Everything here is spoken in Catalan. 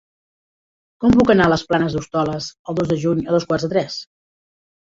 Com puc anar a les Planes d'Hostoles el dos de juny a dos quarts de tres?